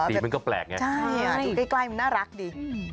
สีมันก็แปลกไง